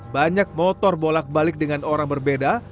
banyak motor bolak balik dengan orang berbeda